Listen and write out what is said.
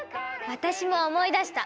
私も思い出した。